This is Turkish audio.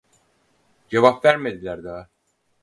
Cevap vermediler daha